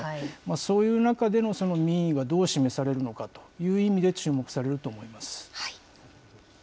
そういう中での民意が、どう示されるのかという意味で注目されると思います。